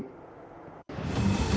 trên mạng xã hội